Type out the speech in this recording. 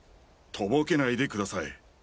とぼけないでください。